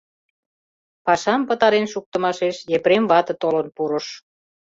Пашам пытарен шуктымашеш Епрем вате толын пурыш.